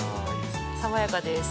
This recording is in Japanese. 爽やかです。